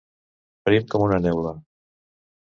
Prim com una neula.